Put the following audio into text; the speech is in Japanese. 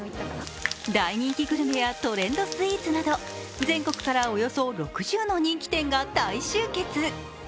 大人気グルメやトレンドスイーツなど全国からおよそ６０の人気店が大集結。